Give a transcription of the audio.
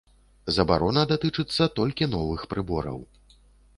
Забарона датычыцца толькі новых прыбораў.